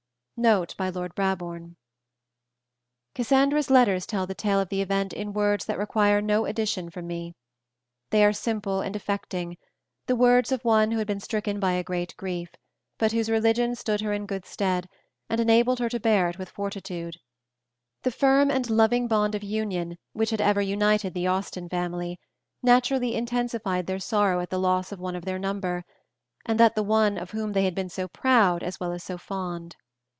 Note by Lord Brabourne. Cassandra's letters tell the tale of the event in words that require no addition from me. They are simple and affecting, the words of one who had been stricken by a great grief, but whose religion stood her in good stead, and enabled her to bear it with fortitude. The firm and loving bond of union which had ever united the Austen family, naturally intensified their sorrow at the loss of one of their number, and that the one of whom they had been so proud as well as so fond.